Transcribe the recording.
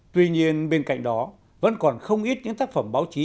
tuy nhiên bên cạnh đó vẫn còn không ít những tác phẩm báo chí